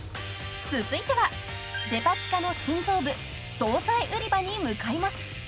［続いてはデパ地下の心臓部総菜売り場に向かいます］